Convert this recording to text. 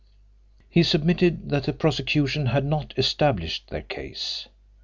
He submitted that the prosecution had not established their case.